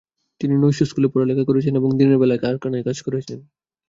তিনি নৈশ স্কুলে পড়ালেখা করেছেন এবং দিনের বেলায় কারখানায় কাজ করেছেন।